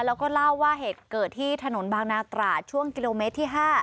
แล้วก็เล่าว่าเหตุเกิดที่ถนนบางนาตราช่วงกิโลเมตรที่๕